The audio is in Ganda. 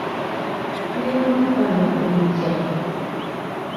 Tulina okufaayo ku bijja.